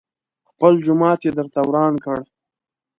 خپل جومات يې درته وران کړ.